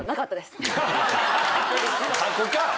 書くか。